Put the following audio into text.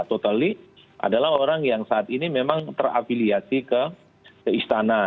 totally adalah orang yang saat ini memang terafiliasi ke istana